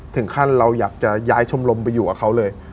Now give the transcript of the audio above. ถึงขั้นเราอยากจะย้ายชมรมไปอยู่กับเขาเลย